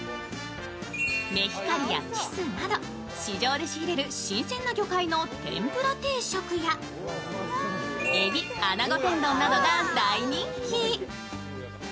メヒカリやキスなど、市場で仕入れる新鮮な魚介の天ぷら定食やえび・穴子天丼などが大人気。